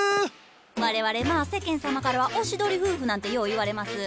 我々まあ世間様からはおしどり夫婦なんてよう言われます。